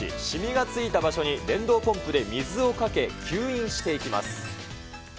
染みがついた場所に、電動ポンプで水をかけ、吸引していきます。